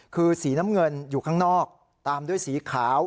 คือสีน้ำเงินอยู่ข้างนอกตามด้วยสีขาว